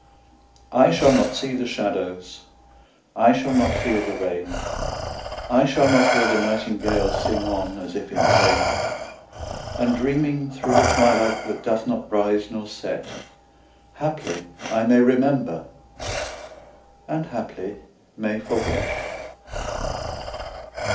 I shall not see the shadows, I shall not feel the rain; I shall not hear the nightingale Sing on, as if in pain: And dreaming through the twilight That doth not rise nor set, Haply I may remember And haply may forget.